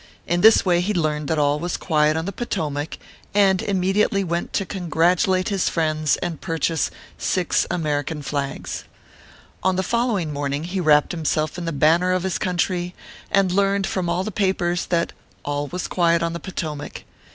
In this way he learned that all was quiet on the Potomac, and immediately went to congratulate his friends, and purchase six American flags. On the following morning he wrapt himself in the banner of his country and learned from all the papers that all was quiet on the Potomac.